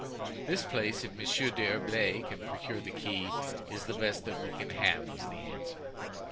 "This place, if Monsieur d'Herblay can procure the key, is the best that we can have," was the answer.